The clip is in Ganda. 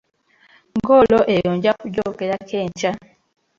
Ggoolo eyo nja kugyogerako enkya.